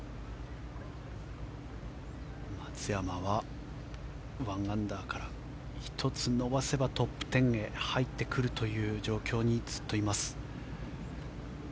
松山は１アンダーから１つ伸ばせばトップ１０へ入ってくるという状況にずっといます。